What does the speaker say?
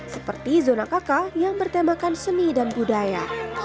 seperti zona kaka yang bertemakan seni dan budaya